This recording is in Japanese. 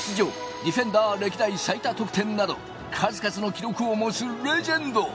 ディフェンダー歴代最多得点など、数々の記録を持つレジェンド。